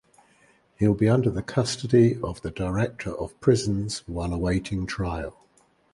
He will be under the custody of the Director of Prisons while awaiting trial.